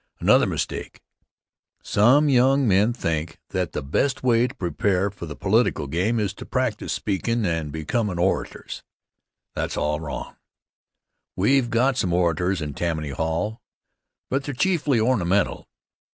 Another mistake: some young men think that the best way to prepare for the political game is to practice speakin' and becomin' orators. That's all wrong. We've got some orators in Tammany Hall, but they're chiefly ornamental.